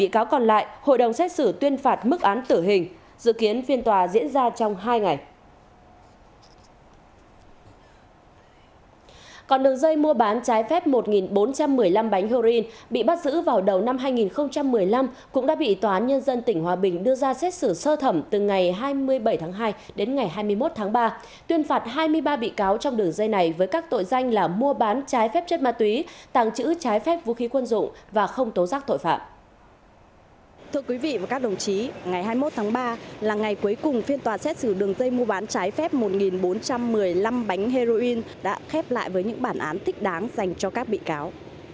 các đồng chí ngày hai mươi một tháng ba là ngày cuối cùng phiên tòa xét xử đường dây mua bán trái phép một nghìn bốn trăm một mươi năm bánh heroin đã khép lại với những bản án thích đáng dành cho các bị cáo